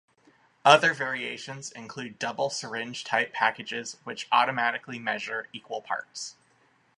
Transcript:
Other variations include double syringe-type packages which automatically measure equal parts.